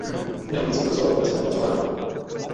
Měla by být svoboda slova vůbec nějak omezována?